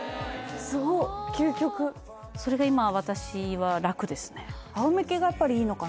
すごっ究極それが今私は楽ですね